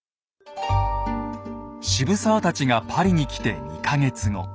渋沢たちがパリに来て２か月後。